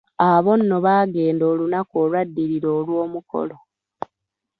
Abo nno baagenda olunaku olwaddirira olw'omukolo.